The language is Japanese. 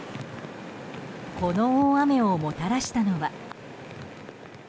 この大雨をもたらしたのは。